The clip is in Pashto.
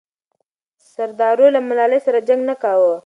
سردارو له ملالۍ سره جنګ نه کاوه.